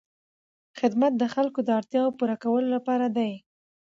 خدمت د خلکو د اړتیاوو پوره کولو لپاره دی.